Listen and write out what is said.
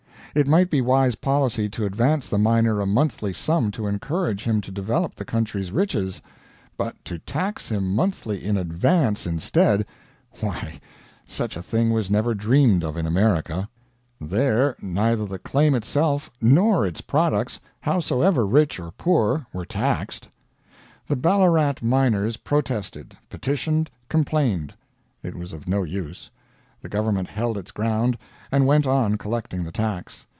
It might be wise policy to advance the miner a monthly sum to encourage him to develop the country's riches; but to tax him monthly in advance instead why, such a thing was never dreamed of in America. There, neither the claim itself nor its products, howsoever rich or poor, were taxed. The Ballarat miners protested, petitioned, complained it was of no use; the government held its ground, and went on collecting the tax.